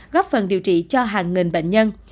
góp phần điều trị cho hàng nghìn bệnh nhân